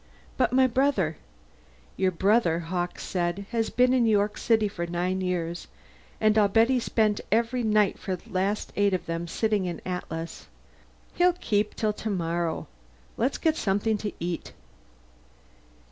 "But my brother " "Your brother," Hawkes said, "has been in York City for nine years, and I'll bet he's spent every night for the last eight of them sitting in the Atlas. He'll keep till tomorrow. Let's get something to eat."